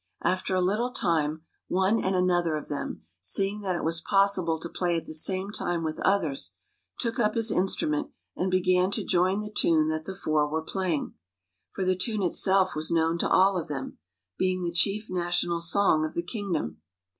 After a little time, one and another of them, seeing that it was possible to play at the same time with others, took up his instrument and began to join the tune that the four were playing, for the tune itself was known to all of them, being the chief national song of the kingdom.